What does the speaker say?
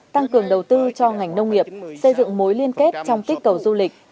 tăng cường đầu tư cho ngành nông nghiệp xây dựng mối liên kết trong kích cầu du lịch